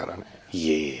いえいえ。